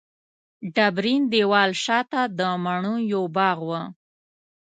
ډبرین دېوال شاته د مڼو یو باغ و.